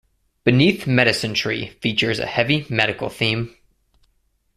"Beneath Medicine Tree" features a heavy medical theme.